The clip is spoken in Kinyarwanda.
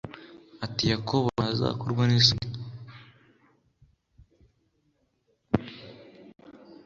Ati yakobo ntazakorwa n isoni